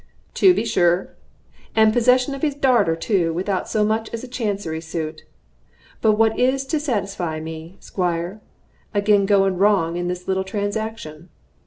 "To be sure. And possession of his darter too, without so much as a Chancery suit. But what is to satisfy me, Squire, agin goin' wrong in this little transaction?"